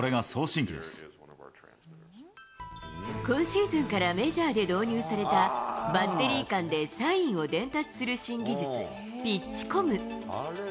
今シーズンからメジャーで導入された、バッテリー間でサインを伝達する新技術、ピッチコム。